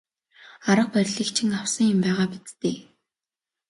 Арга барилыг чинь авсан юм байгаа биз дээ.